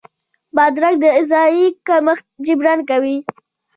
بادرنګ د غذايي کمښت جبران کوي.